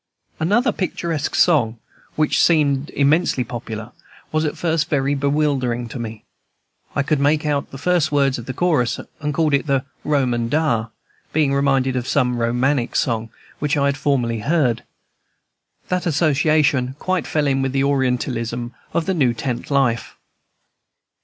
Another picturesque song, which seemed immensely popular, was at first very bewildering to me. I could not make out the first words of the chorus, and called it the "Roman dar," being reminded of some Romaic song which I had formerly heard. That association quite fell in with the Orientalism of the new tent life.